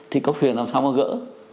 thì cấp huyện làm sao mà gỡ